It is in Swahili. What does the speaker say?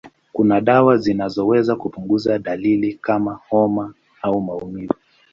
Kuna dawa zinazoweza kupunguza dalili kama homa au maumivu.